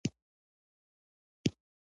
دغه دنګ وچ کلک سړی چې اوس زما مخ ته ناست دی.